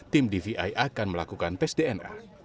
tim dvi akan melakukan tes dna